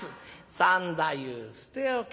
「三太夫捨て置け。